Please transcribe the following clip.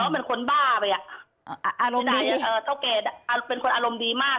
เป็นคนบ้าไปอ่ะอารมณ์ดีเท่าแก่เป็นคนอารมณ์ดีมาก